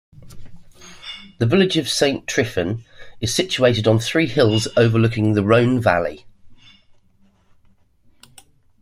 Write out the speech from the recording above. The village of Saint-Triphon is situated on three hills overlooking the Rhone valley.